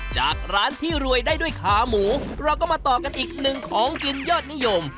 จากร้านที่รวยได้ด้วยขาหมูเราก็มาต่อกันอีกหนึ่งของกินยอดนิยม